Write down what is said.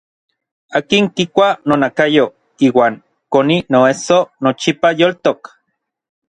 Akin kikua nonakayo iuan koni noesso nochipa yoltok.